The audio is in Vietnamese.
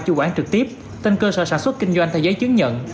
chủ quản trực tiếp tên cơ sở sản xuất kinh doanh theo giấy chứng nhận